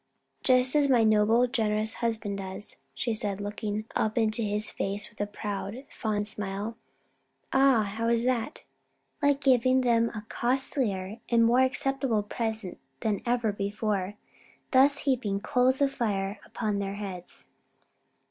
"Just as my noble, generous husband does," she said, looking up into his face with a proud, fond smile. "Ah! and how is that?" "Like giving them a costlier and more acceptable present than ever before; thus 'heaping coals of fire upon their heads.'"